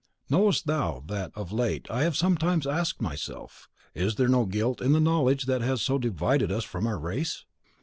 Knowest thou that of late I have sometimes asked myself, "Is there no guilt in the knowledge that has so divided us from our race?"